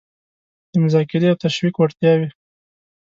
د مذاکرې او تشویق وړتیاوې